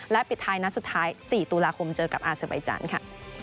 และปิดท้ายนัดสุดท้าย๔ตุลาคมเจอกับอาเซอร์ใบจันทร์ค่ะ